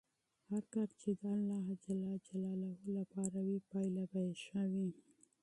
هر کار چې د الله لپاره وي پایله یې ښه وي.